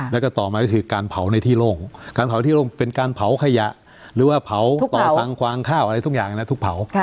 แล้วก็ต่อมาก็คือการเผาในที่โล่งการเผาที่โรงเป็นการเผาขยะหรือว่าเผาต่อสังควางข้าวอะไรทุกอย่างนะทุกเผา